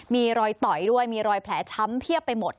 มีรอยต่อยด้วยมีรอยแผลช้ำเพียบไปหมด